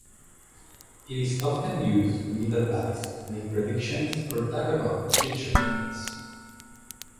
It is often used to give advice, make predictions, or talk about future plans.